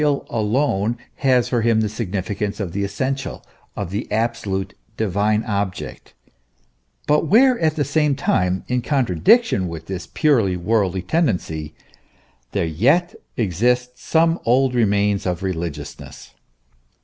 15 alone has for him the significance of the essential, of the absolute, divine object, but where at the same time, in contra diction with this purely worldly tendency, there yet exist some old remains of religiousness.